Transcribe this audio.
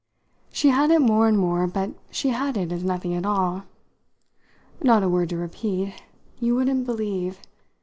She had it more and more, but she had it as nothing at all. "Not a word to repeat you wouldn't believe!